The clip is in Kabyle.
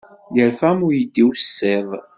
Yerfa am uydi ussiḍ.